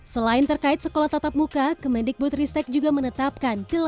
selain terkait sekolah tatap muka kemendikbud ristek juga menetapkan